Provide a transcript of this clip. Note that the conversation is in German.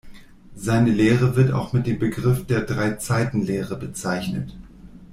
Seine Lehre wird auch mit dem Begriff der „Drei-Zeiten-Lehre“ bezeichnet.